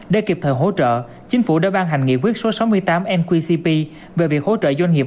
để kịp thời hỗ trợ chính phủ đã ban hành nghị quyết số sáu mươi tám nqcp về việc hỗ trợ doanh nghiệp